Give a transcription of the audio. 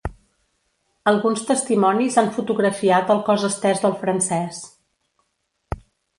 Alguns testimonis han fotografiat el cos estès del francès.